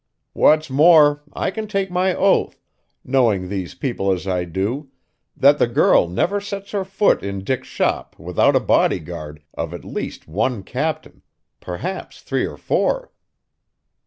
What's more, I can take my oath, knowing these people as I do, that the girl never sets her foot in Dick's shop without a body guard of at least one captain, perhaps three or four!"